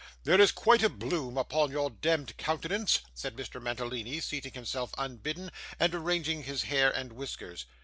'There is quite a bloom upon your demd countenance,' said Mr. Mantalini, seating himself unbidden, and arranging his hair and whiskers.